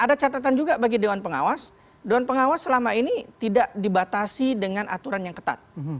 ada catatan juga bagi dewan pengawas dewan pengawas selama ini tidak dibatasi dengan aturan yang ketat